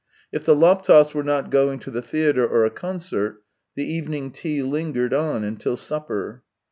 If the Laptevs were not going to the theatre or a concert, the evening tea lingered on till supper.